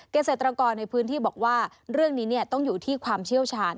เกษตรกรในพื้นที่บอกว่าเรื่องนี้ต้องอยู่ที่ความเชี่ยวชาญ